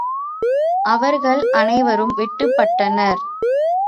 அவர்கள் அனைவரும் வெட்டுப்பட்டனர்.